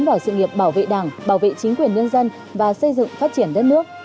vào sự nghiệp bảo vệ đảng bảo vệ chính quyền nhân dân và xây dựng phát triển đất nước